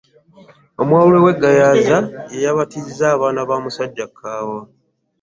Omwawule we Gayaaza yeyabatizza abaana ba musajja kaawa.